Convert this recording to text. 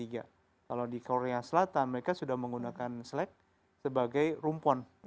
kalau di korea selatan mereka sudah menggunakan slack sebagai rumpon